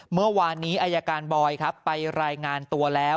เมื่อวานนี้อายการบอยครับไปรายงานตัวแล้ว